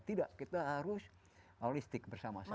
tidak kita harus holistik bersama sama